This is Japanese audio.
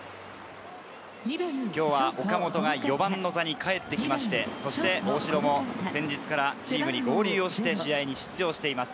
岡本が４番の座に帰ってきまして、大城も先日からチームに合流をして試合に出場しています。